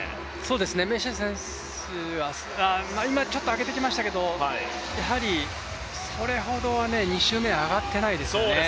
メシェシャ選手は、今ちょっと上げてきましたけどやはりそれほど２周目は上がっていないですね。